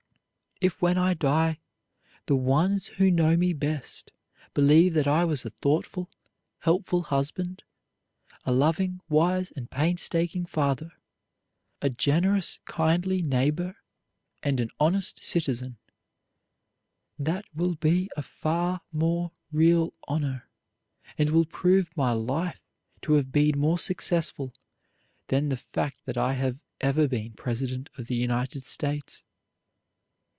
"If when I die the ones who know me best believe that I was a thoughtful, helpful husband, a loving, wise and painstaking father, a generous, kindly neighbor and an honest citizen, that will be a far more real honor, and will prove my life to have been more successful than the fact that I have ever been president of the United States.